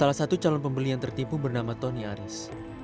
salah satu calon pembeli yang tertipu bernama tony aris